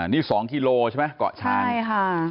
นี่๒กิโลกรัมใช่ไหมเกาะช้าง